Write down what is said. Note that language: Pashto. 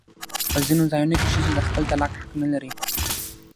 په ځینو ځایونو کې ښځې د خپل طلاق حق نه لري.